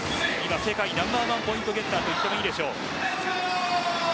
今、世界ナンバーワンポイントゲッターと言ってもいいでしょう。